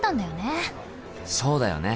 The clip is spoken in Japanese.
そうだよね。